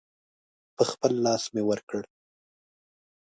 په خپل لاس مې ورکړ.